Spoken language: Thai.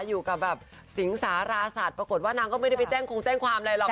อยู่กับแบบสิงสาราสัตว์ปรากฏว่านางก็ไม่ได้ไปแจ้งคงแจ้งความอะไรหรอก